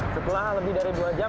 setelah lebih dari dua jam